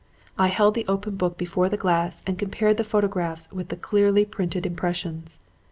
"I held the open book before the glass and compared the photographs with the clearly printed impressions.